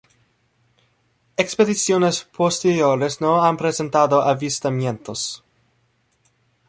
Expediciones posteriores no han presentado avistamientos.